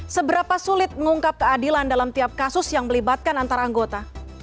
seberapa sulit mengungkap keadilan dalam tiap kasus yang melibatkan antara anggota